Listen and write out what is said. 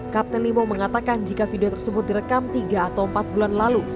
kapten limo mengatakan jika video tersebut direkam tiga atau empat bulan lalu